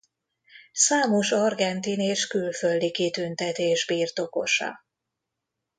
Számos argentin és külföldi kitüntetés birtokosa.